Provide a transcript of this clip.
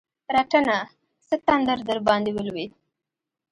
رټنه؛ څه تندر درباندې ولوېد؟!